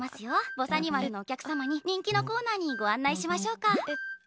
ぼさにまるのお客様に人気のコーナーにご案内しましょうか。